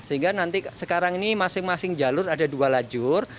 sehingga nanti sekarang ini masing masing jalur ada dua lajur